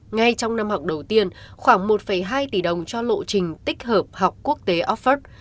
ngay trong năm học đầu tiên khoảng một hai tỷ đồng cho lộ trình tích hợp học quốc tế offord